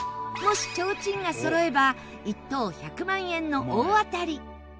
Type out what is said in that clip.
もしちょうちんがそろえば１等１００万円の大当たり。